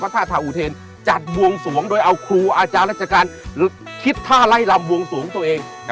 ท่าทาอุเทนจัดบวงสวงโดยเอาครูอาจารย์ราชการคิดท่าไล่ลำบวงสวงตัวเอง